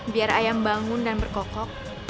biar ayam bangun dan berkokok